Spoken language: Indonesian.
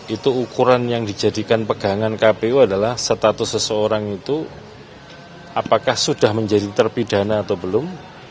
itu ukuran yang dijadikan pegangan kpu adalah status seseorang itu apakah sudah menjadi terpidana atau belum